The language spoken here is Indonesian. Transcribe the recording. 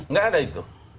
nggak ada itu